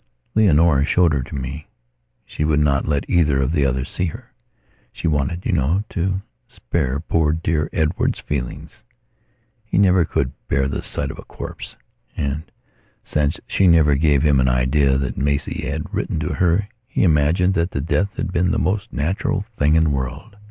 Leonora showed her to me. She would not let either of the others see her. She wanted, you know, to spare poor dear Edward's feelings. He never could bear the sight of a corpse. And, since she never gave him an idea that Maisie had written to her, he imagined that the death had been the most natural thing in the world.